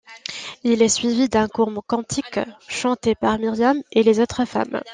Il est suivi d’un court cantique, chanté par Myriam et les autres femmes.